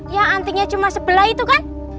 ya antinya cuma sebelah itu kan